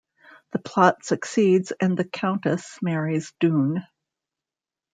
The plot succeeds, and the countess marries Doon.